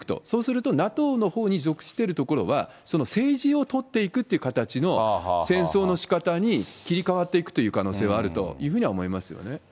そうすると、ＮＡＴＯのほうに属してる所は、政治を取っていくっていう形の戦争のしかたに切り替わっていくという可能性があるというふうには思いますよね。